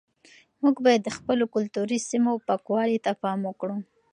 موږ باید د خپلو کلتوري سیمو پاکوالي ته پام وکړو.